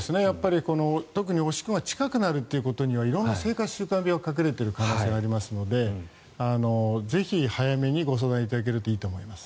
特におしっこが近くなるということには色んな生活習慣病が隠れている可能性がありますのでぜひ、早めにご相談いただけるといいと思います。